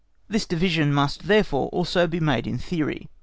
_" This division must therefore also be made in theory.